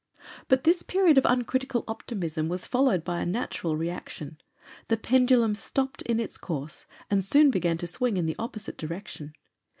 But this period of uncritical optimism was followed by a natural reaction. The pendulum stopped in its course, and soon began to swing in the opposite direction.